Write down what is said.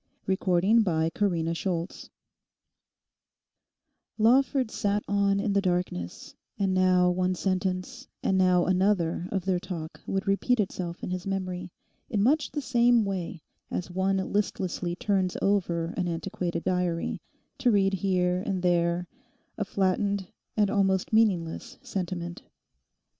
CHAPTER TWENTY THREE Lawford sat on in the darkness, and now one sentence and now another of their talk would repeat itself in his memory, in much the same way as one listlessly turns over an antiquated diary, to read here and there a flattened and almost meaningless sentiment.